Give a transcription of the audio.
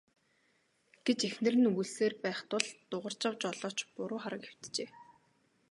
гэж эхнэр нь үглэсээр байх тул Дугаржав жолооч буруу харан хэвтжээ.